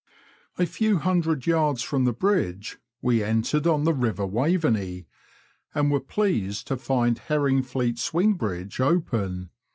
A few hundred yards from the bridge we entered on the river Waveney, and were pleased to find Herringfleet swing bridge open.